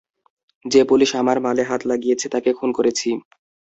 যে পুলিশ আমার মালে হাত লাগিয়েছে তাকে খুন করেছি।